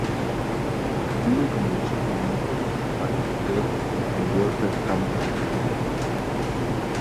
Vive como los otros miembros de Napalm Death en Wolverhampton, Inglaterra.